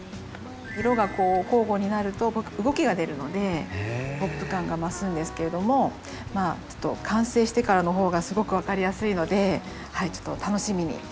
色が交互になると動きが出るのでポップ感が増すんですけれども完成してからの方がすごく分かりやすいので楽しみにしてて下さいね。